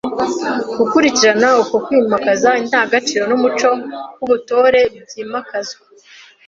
Gukurikirana uko kwimakaza indangagaciro n’umuco w’ubutore byimakazwa